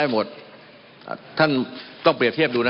มันมีมาต่อเนื่องมีเหตุการณ์ที่ไม่เคยเกิดขึ้น